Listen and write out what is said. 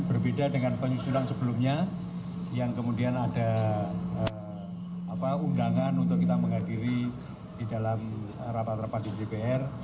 berbeda dengan penyusulan sebelumnya yang kemudian ada undangan untuk kita menghadiri di dalam rapat rapat di dpr